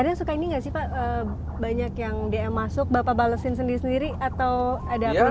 kadang suka ini gak sih pak banyak yang dm masuk bapak balesin sendiri sendiri atau ada apa juga